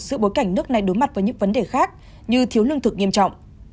giữa bối cảnh nước này đối mặt với những vấn đề khác như thiếu lương thực nghiêm trọng